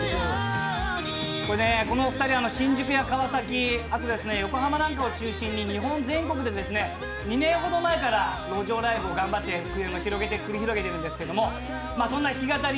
このお二人、新宿や川崎あと横浜なんかを中心に日本全国で２年ほど前から路上ライブを頑張って繰り広げているんですけど、そんな弾き語り